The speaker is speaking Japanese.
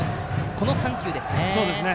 この緩急ですね。